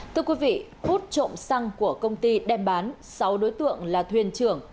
thưa quý vị hút trộm xăng của công ty đem bán sáu đối tượng là thuyền trưởng